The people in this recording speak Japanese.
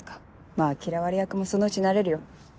まぁ嫌われ役もそのうち慣れるよ。